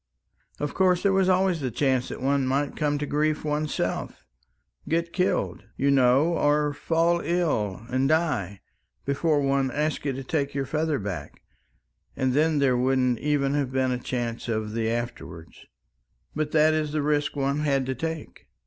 Of course there was always the chance that one might come to grief oneself get killed, you know, or fall ill and die before one asked you to take your feather back; and then there wouldn't even have been a chance of the afterwards. But that is the risk one had to take."